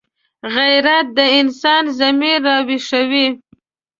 غیرت د انسان ضمیر راویښوي